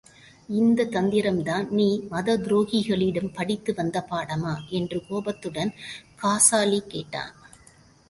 இந்தத் தந்திரம்தான் நீ மதத்துரோகிகளிடம் படித்து வந்த பாடமா? என்று கோபத்துடன் காசாலி கேட்டான்.